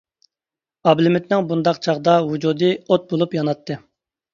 ئابلىمىتنىڭ بۇنداق چاغدا ۋۇجۇدى ئوت بولۇپ ياناتتى.